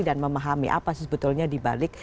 dan memahami apa sebetulnya dibalik